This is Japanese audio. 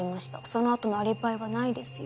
その後のアリバイはないですよ。